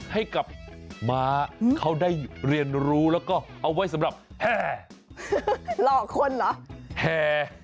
ให้กับมาเขาได้เรียนรู้แล้วก็เอาไว้สำหรับแห่